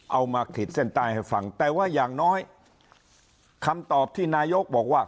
มาขีดเส้นใต้ให้ฟังแต่ว่าอย่างน้อยคำตอบที่นายกบอกว่า